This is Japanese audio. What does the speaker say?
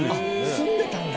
住んでたんだ。